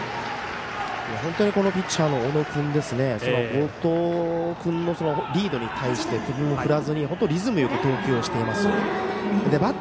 本当にこのピッチャーの小野君後藤君のリードに対して首も振らずにリズムよく投球をしています。